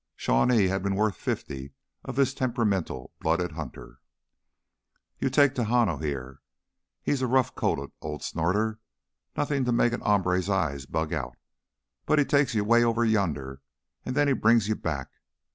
Shawnee had been worth fifty of this temperamental blooded hunter. "You take Tejano heah. He's a rough coated ol' snorter nothin' to make an hombre's eyes bug out but he takes you way over yonder, an' then he brings you back